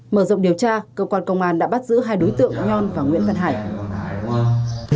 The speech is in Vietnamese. mở rộng điều tra cơ quan công an đã bắt giữ hai đối tượng nhon và nguyễn văn hải